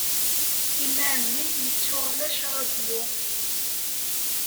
Imar-nni, yettuɣ lac rradio.